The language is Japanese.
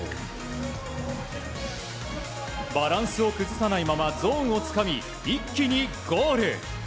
バランスを崩さないままゾーンをつかみ一気にゴール。